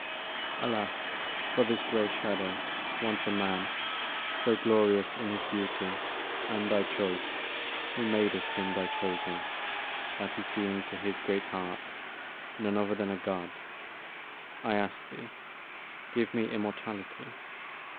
Alas! for this gray shadow, once a man So glorious in his beauty and thy choice, Who madest him thy chosen, that he seem'd To his great heart none other than a God! I ask'd thee, 'Give me immortality.'